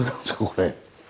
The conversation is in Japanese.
これ。